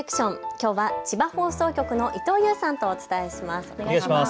きょうは千葉放送局の伊藤優さんとお伝えします。